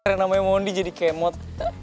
karena namanya mondi jadi kemot